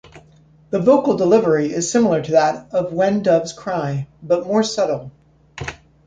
The vocal delivery is similar to that of "When Doves Cry", but more subtle.